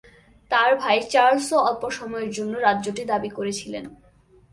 তার ভাই চার্লসও অল্প সময়ের জন্য রাজ্যটি দাবি করেছিলেন।